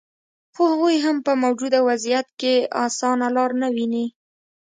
خو هغوي هم په موجوده وضعیت کې اسانه لار نه ویني